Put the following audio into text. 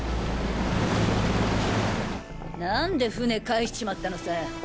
なんで船帰しちまったのさ。